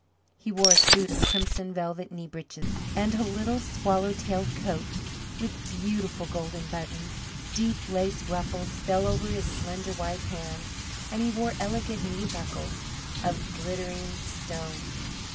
He wore a suit of crimson velvet knee breeches, and a little swallow tailed coat with beautiful golden buttons. Deep lace ruffles fell over his slender white hands, and he wore elegant knee buckles of glittering stones.